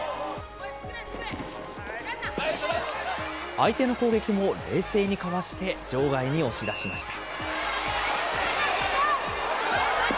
相手の攻撃も冷静にかわして、場外に押し出しました。